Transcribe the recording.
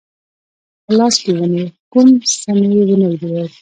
په لاس کې ونیو، کوم څه مې و نه ویل.